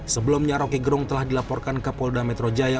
sebelumnya roky gerung telah dilaporkan ke polda metro jaya